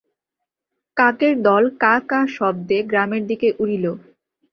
কাকের দল কা কা শব্দে গ্রামের দিকে উড়িল।